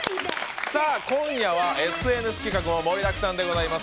今夜はＳＮＳ企画も盛りだくさんでございます。